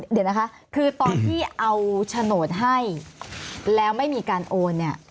เดี๋ยวนะคะคือตอนที่เอาโฉนดให้แล้วไม่มีการโอนเนี่ย